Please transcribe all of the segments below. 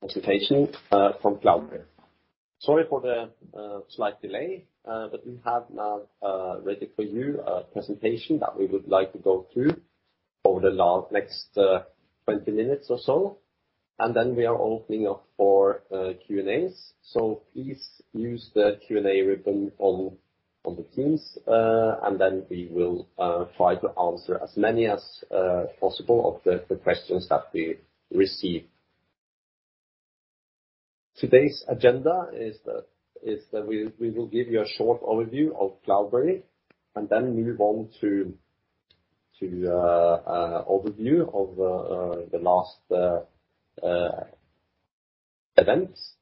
Presentation from Cloudberry. Sorry for the slight delay. We have now ready for you a presentation that we would like to go through for the next 20 minutes or so. Then we are opening up for Q&As. Please use the Q&A ribbon on the Teams, and then we will try to answer as many as possible of the questions that we receive. Today's agenda is that we will give you a short overview of Cloudberry and then move on to overview of the last events.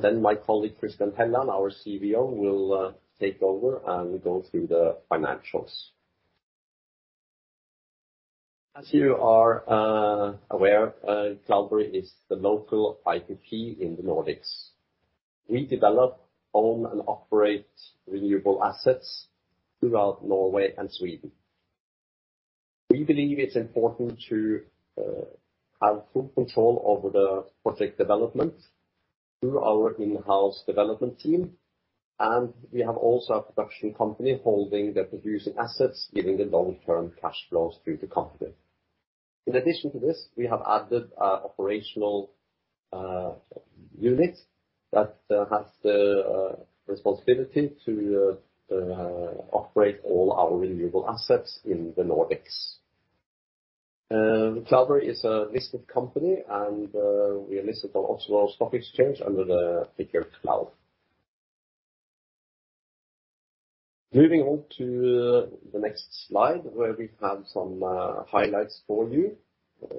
Then my colleague, Christian Helland, our CVO, will take over and go through the financials. As you are aware, Cloudberry is the local IPP in the Nordics. We develop, own, and operate renewable assets throughout Norway and Sweden. We believe it's important to have full control over the project development through our in-house development team, and we have also a production company holding the producing assets, giving the long-term cash flows to the company. In addition to this, we have added a operational unit that has the responsibility to operate all our renewable assets in the Nordics. Cloudberry is a listed company, and we are listed on Oslo Stock Exchange under the ticker Cloud. Moving on to the next slide, where we have some highlights for you.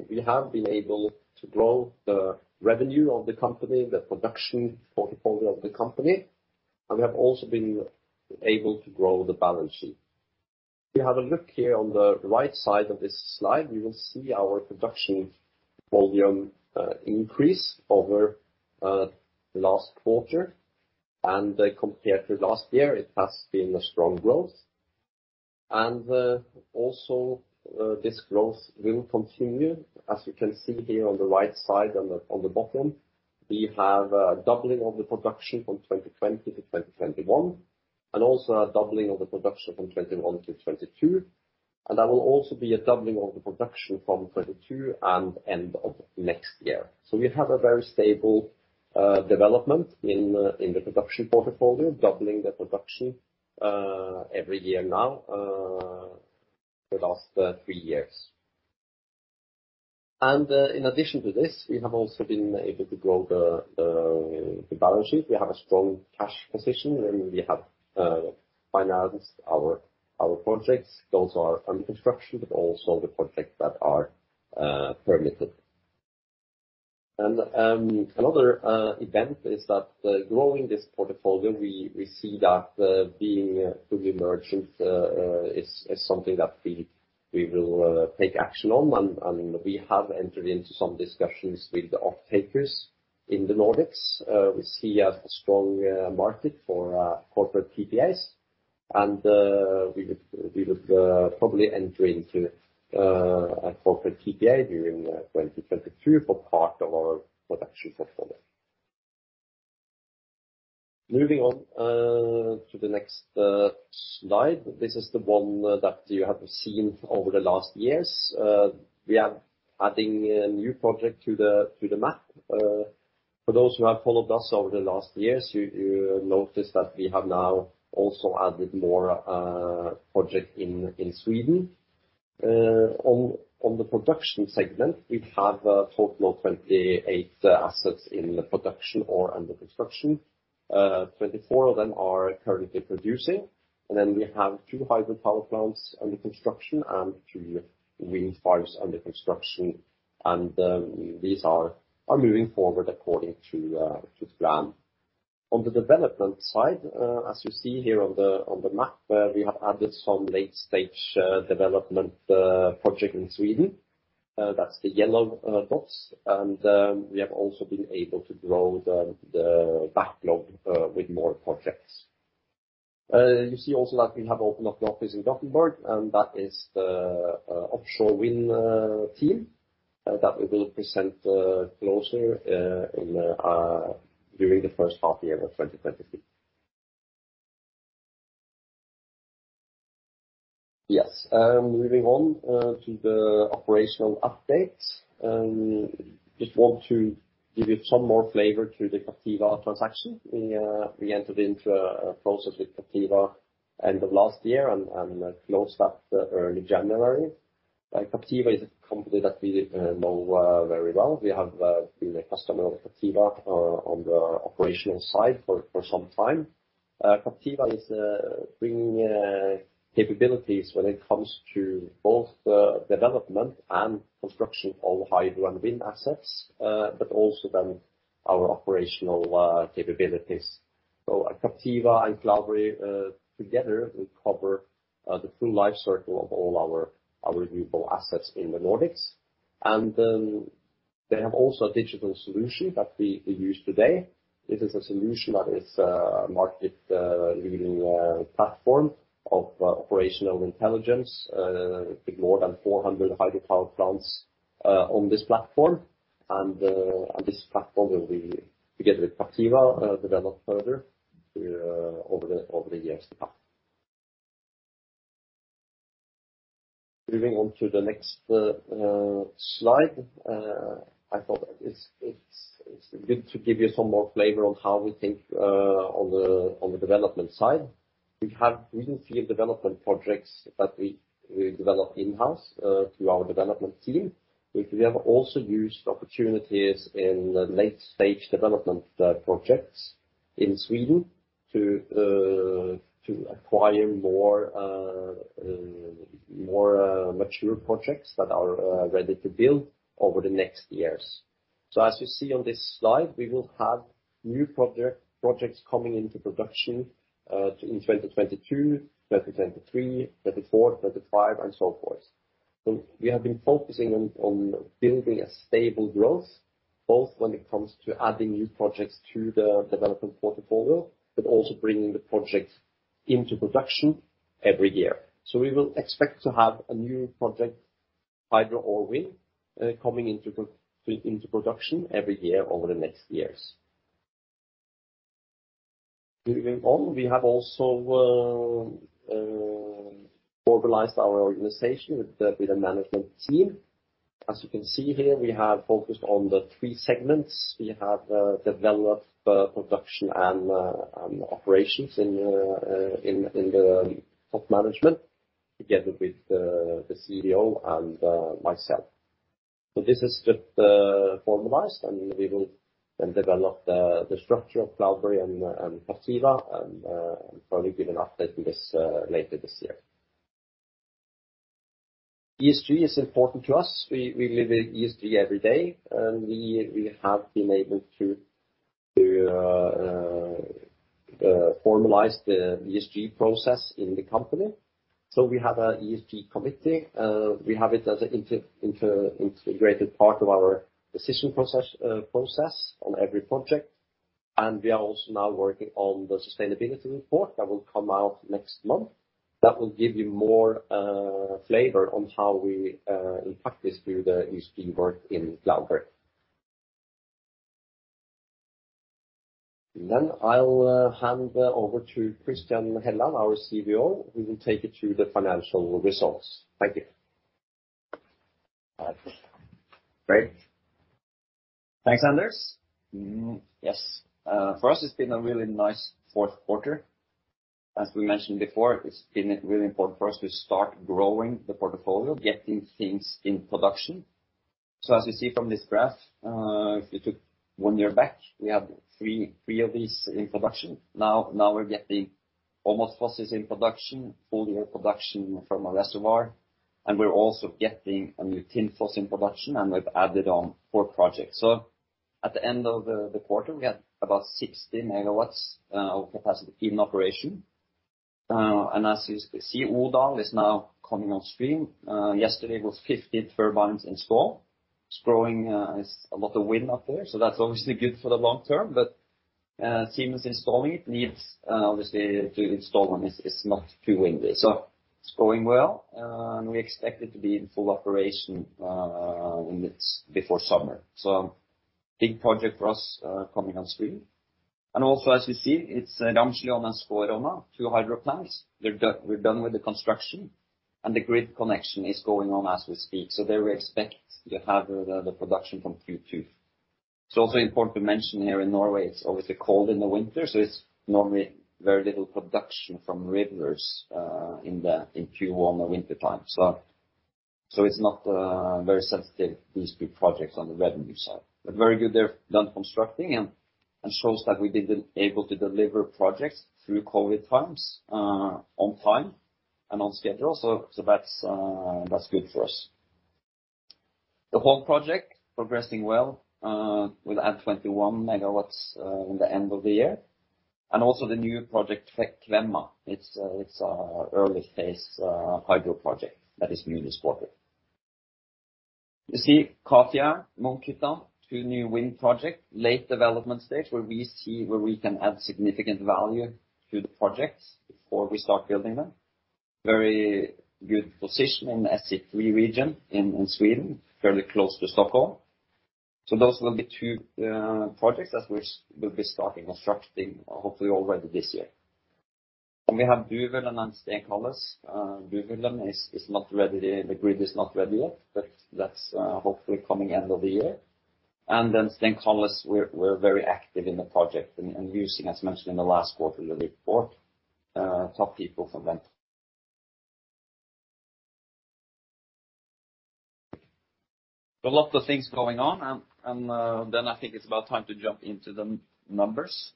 We have been able to grow the revenue of the company, the production portfolio of the company, and we have also been able to grow the balance sheet. If you have a look here on the right side of this slide, you will see our production volume increase over the last quarter. Compared to last year, it has been a strong growth. Also, this growth will continue. As you can see here on the right side on the bottom, we have a doubling of the production from 2020 to 2021, and also a doubling of the production from 2021 to 2022. That will also be a doubling of the production from 2022 and end of next year. We have a very stable development in the production portfolio, doubling the production every year now for the last three years. In addition to this, we have also been able to grow the balance sheet. We have a strong cash position, and we have financed our projects. Those are under construction, but also the projects that are permitted. Another event is that growing this portfolio, we see that being fully merchant is something that we will take action on. We have entered into some discussions with the offtakers in the Nordics. We see a strong market for corporate PPAs. We would probably enter into a corporate PPA during 2022 for part of our production portfolio. Moving on to the next slide. This is the one that you have seen over the last years. We are adding a new project to the map. For those who have followed us over the last years, you notice that we have now also added more project in Sweden. On the production segment, we have a total of 28 assets in production or under construction. 24 of them are currently producing, and then we have two hydropower plants under construction and two wind farms under construction. These are moving forward according to plan. On the development side, as you see here on the map, we have added some late-stage development project in Sweden. That's the yellow dots. We have also been able to grow the backlog with more projects. You see also that we have opened up an office in Gothenburg, and that is the offshore wind team that we will present closer in during the first half year of 2023. Yes. Moving on to the operational update. I just want to give you some more flavor to the Captiva transaction. We entered into a process with Captiva end of last year and closed that early January. Captiva is a company that we know very well. We have been a customer of Captiva on the operational side for some time. Captiva is bringing capabilities when it comes to both development and construction of hydro and wind assets, but also then our operational capabilities. Captiva and Cloudberry together we cover the full life cycle of all our renewable assets in the Nordics. They have also a digital solution that we use today. This is a solution that is market-leading platform of operational intelligence. With more than 400 hydropower plants on this platform. This platform will be together with Captiva develop further over the years to come. Moving on to the next slide. I thought it's good to give you some more flavor on how we think on the development side. We have a good few development projects that we develop in-house through our development team. We have also used opportunities in the late-stage development projects in Sweden to acquire more mature projects that are ready to build over the next years. As you see on this slide, we will have new projects coming into production in 2022, 2023, 2024, 2025, and so forth. We have been focusing on building a stable growth, both when it comes to adding new projects to the development portfolio, but also bringing the projects into production every year. We will expect to have a new project, hydro or wind, coming into production every year over the next years. Moving on, we have also organized our organization with the management team. As you can see here, we have focused on the three segments. We have developed production and operations in the top management together with the CEO and myself. This is just formalized, and we will then develop the structure of Cloudberry and Captiva, and probably give an update on this later this year. ESG is important to us. We live with ESG every day, and we have been able to formalize the ESG process in the company. We have an ESG committee. We have it as an integrated part of our decision process on every project. We are also now working on the sustainability report that will come out next month. That will give you more flavor on how we in practice do the ESG work in Cloudberry. I'll hand over to Christian Helland, our CVO, who will take you through the financial results. Thank you. Great. Thanks, Anders. For us, it's been a really nice Q4. As we mentioned before, it's been really important for us to start growing the portfolio, getting things in production. As you see from this graph, if you took one year back, we had three of these in production. Now we're getting almost Fossdalen in production, full-year production from a reservoir. We're also getting a new Tinnkraft in production, and we've added on four projects. At the end of the quarter, we had about 60 MW of capacity in operation. As you see, Odal is now coming on stream. Yesterday it was 50 turbines installed. It's growing. It's a lot of wind up there, so that's obviously good for the long term. Team is installing it, needs obviously to install when it's not too windy. It's going well, and we expect it to be in full operation in this Before summer. Big project for us coming on stream. Also as you see, it's Ramsliåna and Svorona, two hydro plants. We're done with the construction and the grid connection is going on as we speak. There we expect to have the production from Q2. It's also important to mention here in Norway, it's obviously cold in the winter, so it's normally very little production from rivers in Q1 or wintertime. It's not very sensitive these big projects on the revenue side. Very good they're done constructing and shows that we've been able to deliver projects through COVID times, on time and on schedule. That's good for us. The Horn project progressing well, will add 21 MW in the end of the year. Also the new project, Fekvam. It's a early phase hydro project that is newly supported. You see Kafjärden, Munkhyttan, two new wind project, late development stage, where we can add significant value to the projects before we start building them. Very good position in SE3 region in Sweden, fairly close to Stockholm. Those will be two projects that we'll be starting constructing hopefully already this year. We have Duvedalen and Stenkalles. Duvedalen is not ready. The grid is not ready yet, but that's hopefully coming end of the year. Stenkalles, we're very active in the project and using, as mentioned in the last quarterly report, top people from them. A lot of things going on, and I think it's about time to jump into the numbers.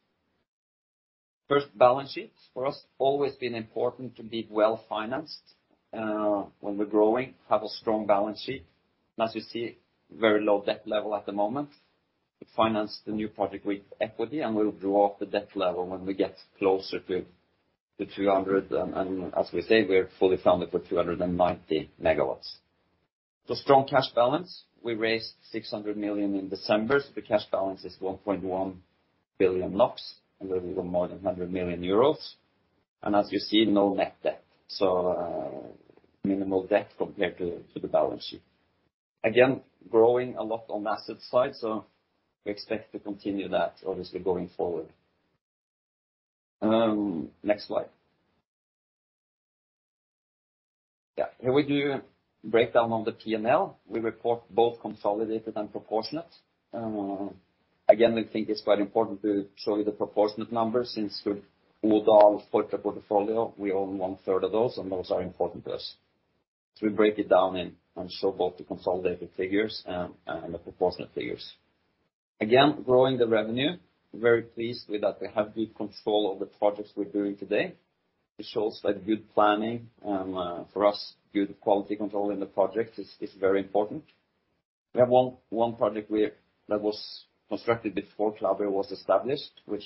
First, balance sheets. For us, always been important to be well-financed when we're growing, have a strong balance sheet. As you see, very low debt level at the moment. We finance the new project with equity, and we'll draw up the debt level when we get closer to 300 MW, and as we say, we're fully funded for 290 MW. The strong cash balance. We raised 600 million in December. The cash balance is 1.1 billion NOK, and a little more than 100 million euros. As you see, no net debt. Minimal debt compared to the balance sheet. Again, growing a lot on the asset side, so we expect to continue that obviously going forward. Next slide. Here we do breakdown on the P&L. We report both consolidated and proportionate. Again, we think it's quite important to show you the proportionate numbers since we own all of the portfolio. We own 1/3 of those, and those are important to us. We break it down and show both the consolidated figures and the proportionate figures. Again, growing the revenue. Very pleased with that. We have good control of the projects we're doing today, which shows that good planning, for us, good quality control in the projects is very important. We have one project that was constructed before Cloudberry was established, which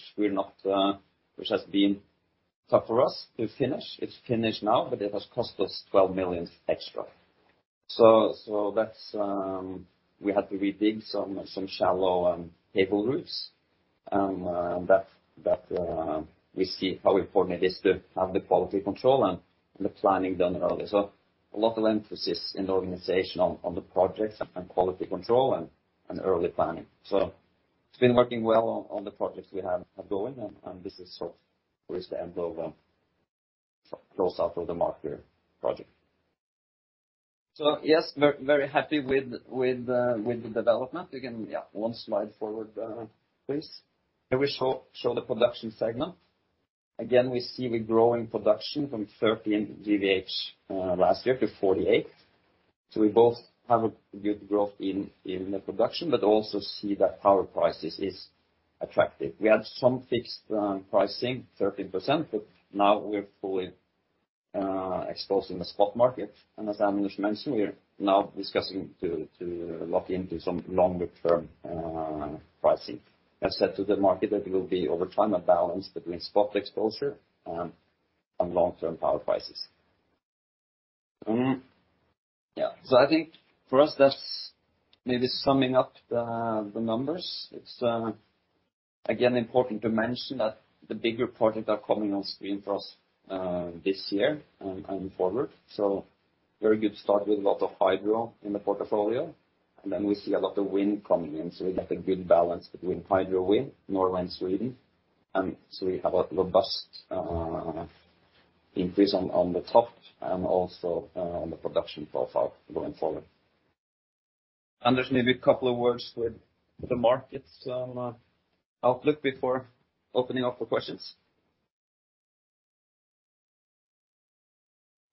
has been tough for us to finish. It's finished now, but it has cost us 12 million extra. We had to re-dig some shallow cable routes, and that we see how important it is to have the quality control and the planning done early. A lot of emphasis in the organization on the projects and quality control and early planning. It's been working well on the projects we have going and this is sort towards the end of close out of the Marker project. Yes, very happy with the development. Again, one slide forward, please. Here we show the production segment. Again, we see growing production from 13 GWh last year to 48 GWh. We both have a good growth in the production, but also see that power prices is attractive. We had some fixed pricing 13%, but now we're fully exposed in the spot market. As Anders mentioned, we're now discussing to lock into some longer term pricing. As said to the market, that it will be over time a balance between spot exposure and long-term power prices. I think for us that's maybe summing up the numbers. It's again important to mention that the bigger projects are coming on stream for us this year and forward. Very good start with a lot of hydro in the portfolio. Then we see a lot of wind coming in, so we get a good balance between hydro, wind, Norway and Sweden. We have a robust increase on the top and also on the production profile going forward. Anders, maybe a couple of words with the markets outlook before opening up for questions.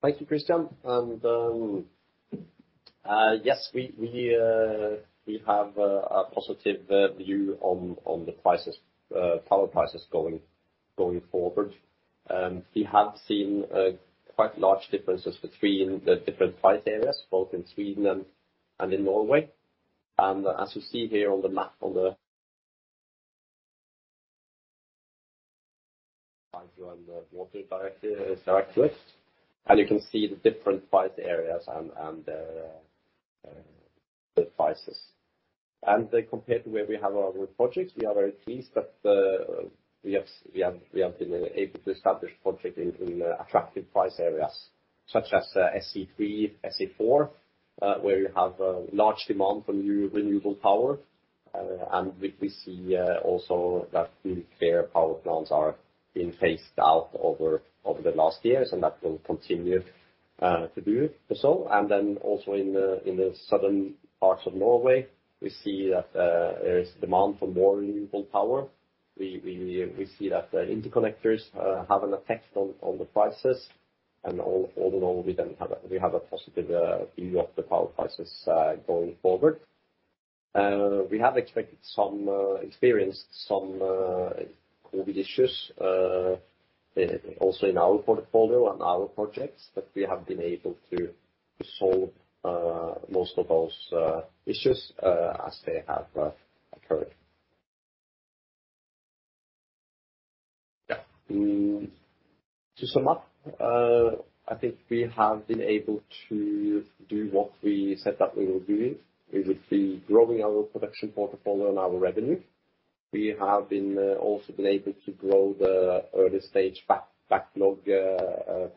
Thank you, Christian. Yes, we have a positive view on power prices going forward. We have seen quite large differences between the different price areas, both in Sweden and in Norway. As you see here on the map, on the hydro and the water directives, you can see the different price areas and their prices. Compared to where we have our projects, we are very pleased that we have been able to establish projects in attractive price areas, such as SE3, SE4, where you have a large demand for new renewable power. We see also that the coal power plants are being phased out over the last years, and that will continue to do so. Then also in the southern parts of Norway, we see that there is demand for more renewable power. We see that the interconnectors have an effect on the prices. Overall, we have a positive view of the power prices going forward. We have experienced some COVID issues also in our portfolio and our projects, but we have been able to solve most of those issues as they have occurred. To sum up, I think we have been able to do what we said that we were doing. We would be growing our production portfolio and our revenue. We have also been able to grow the early-stage backlog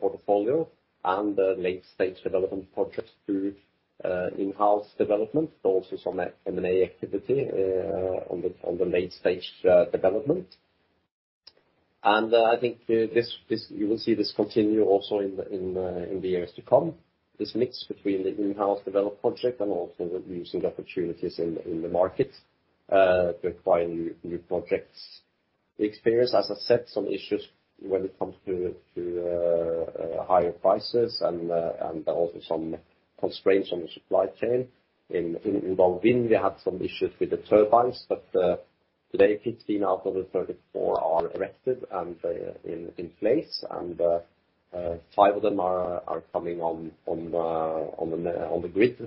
portfolio and the late-stage development projects through in-house development. Also some M&A activity on the late stage development. I think this you will see this continue also in the years to come, this mix between the in-house developed project and also using opportunities in the market to acquire new projects. The experience, as I said, some issues when it comes to higher prices and also some constraints on the supply chain. In Odal Wind, we had some issues with the turbines, but today 15 out of the 34 are erected and in place, and five of them are coming on the grid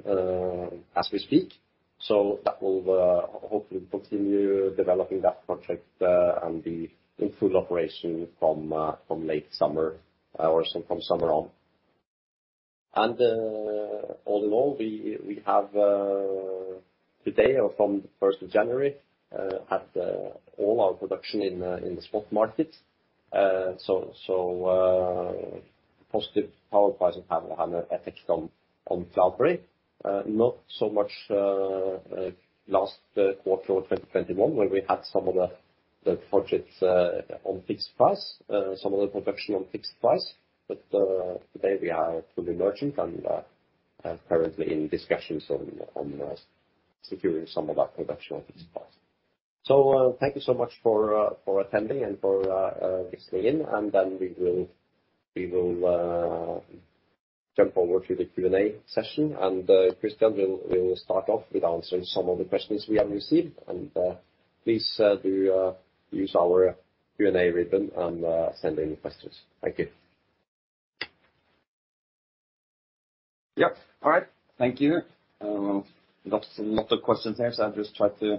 as we speak. That will hopefully continue developing that project and be in full operation from late summer or from summer on. All in all, we have today or from January 1st had all our production in the spot market. Positive power prices have an effect on Cloudberry. Not so much last quarter of 2021, where we had some of the projects on fixed price, some of the production on fixed price. Today we are fully merchant and currently in discussions on securing some of our production on fixed price. Thank you so much for attending and for listening in. Then we will jump over to the Q&A session. Christian will start off with answering some of the questions we have received. Please do use our Q&A ribbon and send in questions. Thank you. Yep. All right. Thank you. Lots of questions here, so I'll just try to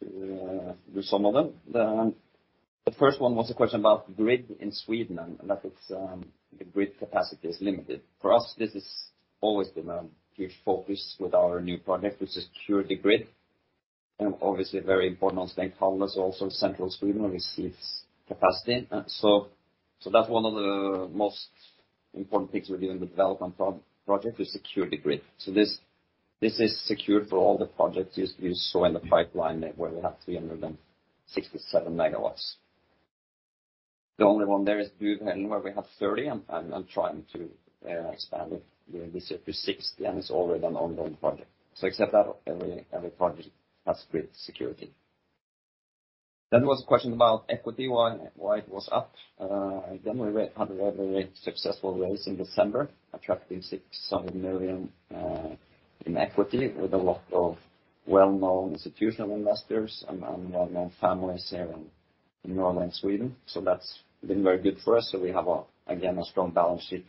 do some of them. The first one was a question about grid in Sweden, and that it's the grid capacity is limited. For us, this has always been a huge focus with our new project, to secure the grid, and obviously very important on Stenkalles, also in central Sweden where we see its capacity. That's one of the most important things we do in the development project, to secure the grid. This is secured for all the projects you saw in the pipeline, where we have 367 MW. The only one there is Duvedalen, where we have 30, and I'm trying to expand it, you know, up to 60, and it's already an ongoing project. Except that, every project has grid security. There was a question about equity, why it was up. Again, we had a very successful raise in December, attracting 600 million in equity with a lot of well-known institutional investors and well-known families here in northern Europe. That's been very good for us. We have, again, a strong balance sheet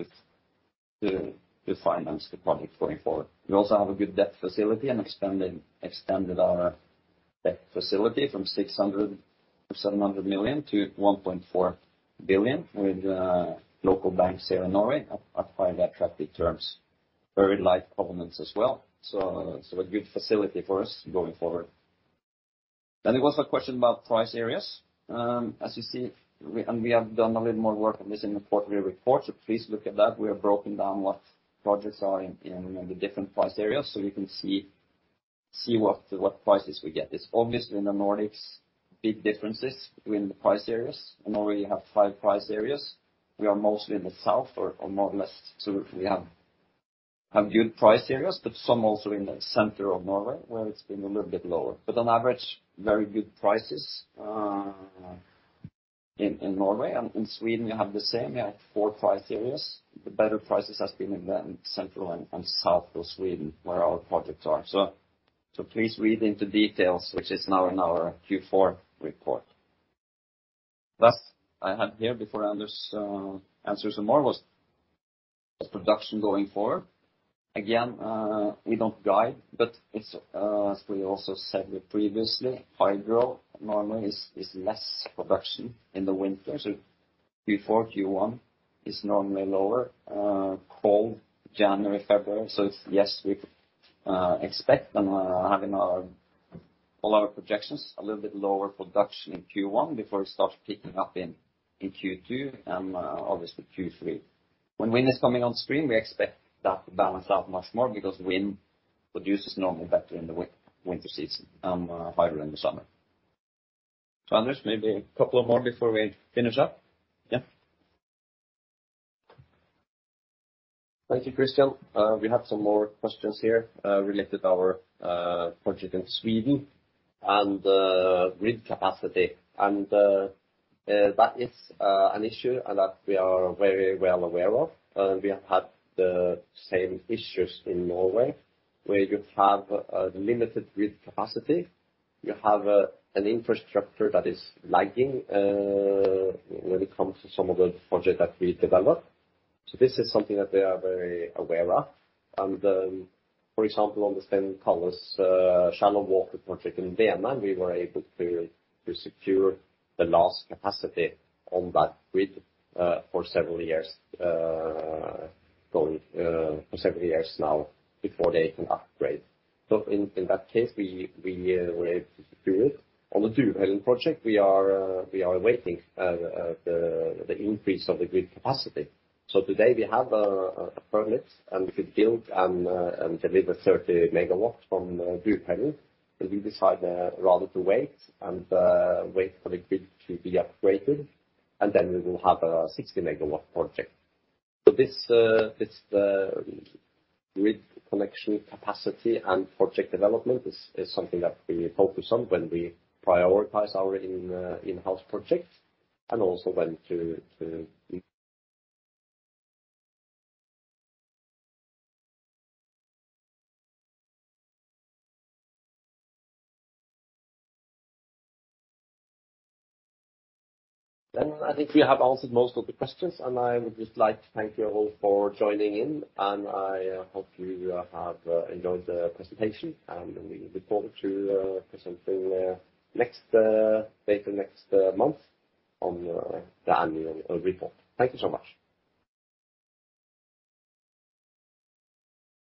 to finance the project going forward. We also have a good debt facility and expanded our debt facility from 600 million-700 million to 1.4 billion with local banks here in Norway at quite attractive terms. Very light covenants as well. A good facility for us going forward. There was a question about price areas. As you see, we... We have done a little more work on this in the quarterly report, so please look at that. We have broken down what projects are in the different price areas, so you can see what prices we get. It's obviously in the Nordics, big differences between the price areas. In Norway you have five price areas. We are mostly in the south or more or less. We have good price areas, but some also in the center of Norway, where it's been a little bit lower. But on average, very good prices in Norway. In Sweden you have the same. You have four, five areas. The better prices has been in the central and south of Sweden, where our projects are. Please read into details, which is now in our Q4 report. last thing I had here before Anders answers some more was the production going forward. Again, we don't guide, but it's as we also said previously, hydro normally is less production in the winter. Q4, Q1 is normally lower. Colder January, February. Yes, we expect and having our projections a little bit lower production in Q1 before it starts picking up in Q2 and obviously Q3. When wind is coming on stream, we expect that to balance out much more because wind produces normally better in the winter season, hydro in the summer. Anders, maybe a couple more before we finish up. Yeah. Thank you, Christian. We have some more questions here related to our project in Sweden and the grid capacity. That is an issue and we are very well aware of. We have had the same issues in Norway, where you have a limited grid capacity. You have an infrastructure that is lagging when it comes to some of the projects that we develop. This is something that we are very aware of. For example, on the Stenkalles shallow water project in Sweden, we were able to secure the last capacity on that grid for several years now before they can upgrade. In that case, we were able to do it. On the Duvedalen project, we are awaiting the increase of the grid capacity. Today we have a permit, and we could build and deliver 30 MW from Duvedalen. We decide rather to wait for the grid to be upgraded, and then we will have a 60 MW project. This grid connection capacity and project development is something that we focus on when we prioritize our in-house projects and also when to. I think we have answered most of the questions, and I would just like to thank you all for joining in. I hope you have enjoyed the presentation, and we look forward to presenting later next month on the annual report. Thank you so much.